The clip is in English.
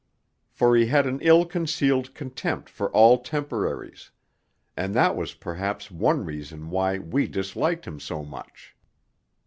For he had an ill concealed contempt for all Temporaries; and that was perhaps one reason why we disliked him so much.